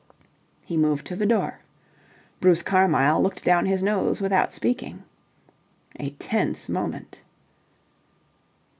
He moved to the door. Bruce Carmyle looked down his nose without speaking. A tense moment.